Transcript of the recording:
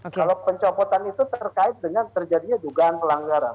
kalau pencopotan itu terkait dengan terjadinya dugaan pelanggaran